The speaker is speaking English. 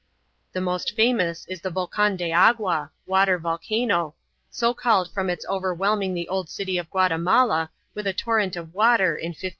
The most famous is the Volcan de Agua (Water Volcano), so called from its overwhelming the old city of Guatemala with a torrent of water in 1541.